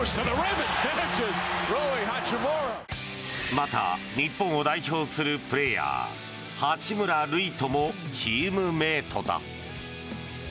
また、日本を代表するプレーヤー八村塁ともチームメートだ。